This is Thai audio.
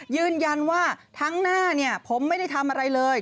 ยืนยันว่าทั้งหน้าผมไม่ได้ทำอะไรเลย